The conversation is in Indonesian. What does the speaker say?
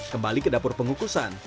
kembali ke dapur pengukusan